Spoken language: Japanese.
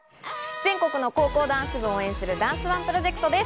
全国の高校ダンス部を応援するダンスＯＮＥプロジェクトです。